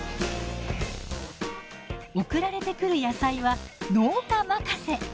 送られてくる野菜は農家任せ。